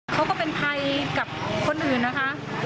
ก็เป็นภัยกับคนอื่นนะคะ